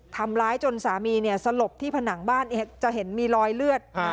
ทำร้ายจนสามีสลบที่ผนังบ้านจะเห็นมีรอยเลือด